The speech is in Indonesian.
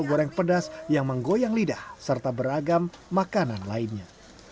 dan juga ada makanan pedas yang menggoyang lidah serta beragam makanan lainnya